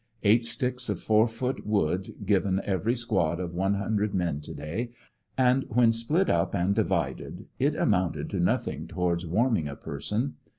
Eight sticks of four foot wood given every squad of one hundred men to day, and when split up and divided it amounted to nothing towards warming a person.